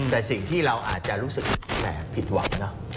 แต่สิ่งที่เราอาจจะรู้สึกแหมผิดหวังเนอะ